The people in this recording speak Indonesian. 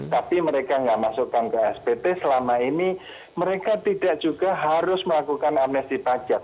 tapi mereka nggak masukkan ke spt selama ini mereka tidak juga harus melakukan amnesti pajak